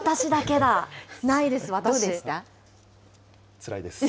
つらいです。